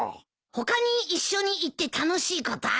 他に一緒に行って楽しいことある？